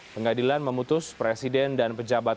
pengadilan memutus presiden dan pejabat